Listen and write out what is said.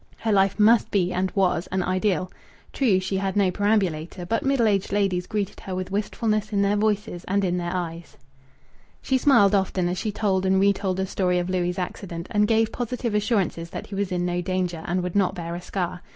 Her life must be, and was, an idyll! True, she had no perambulator, but middle aged ladies greeted her with wistfulness in their voices and in their eyes. She smiled often as she told and retold the story of Louis' accident, and gave positive assurances that he was in no danger, and would not bear a scar.